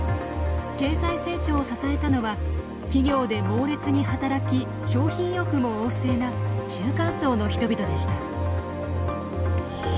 経済成長を支えたのは企業で猛烈に働き消費意欲も旺盛な中間層の人々でした。